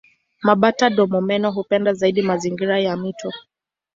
Mabata-domomeno hupenda zaidi mazingira ya mito.